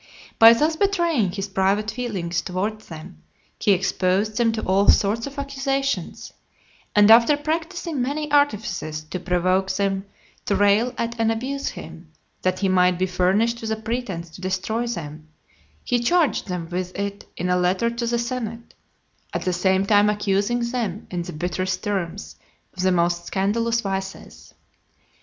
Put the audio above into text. By thus betraying his private feelings towards them, he exposed them to all sorts of accusations; and after practising many artifices to provoke (226) them to rail at and abuse him, that he might be furnished with a pretence to destroy them, he charged them with it in a letter to the senate; at the same time accusing them, in the bitterest terms, of the most scandalous vices.